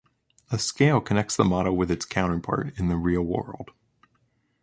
A scale connects the model with its counterpart in the real world.